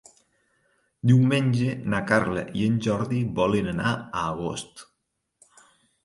Diumenge na Carla i en Jordi volen anar a Agost.